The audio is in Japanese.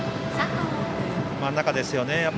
真ん中ですよね。